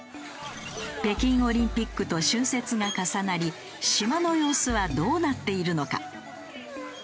北京オリンピックと春節が重なり島の様子はどうなっているのか？